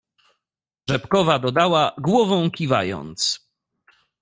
"Rzepkowa dodała, głową kiwając."